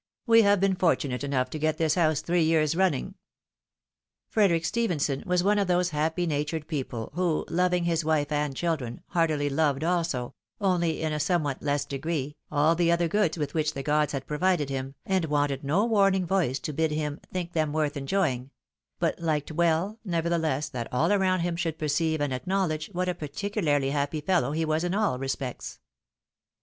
" We have been fortunate enough to get this house three years running." Frederic Stephenson was one of those happy natured people who, loving his wife and children, heartily loved also, only in a somewhat less degree, all the other goods with which the gods had provided him, and wanted no warning voice to bid him " think them worth enjoying ;" but liked well, nevertheless, that all around him should perceive and acknowledge what a particularly happy feUow he was in all respects.